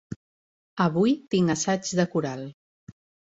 Avui tinc assaig de coral.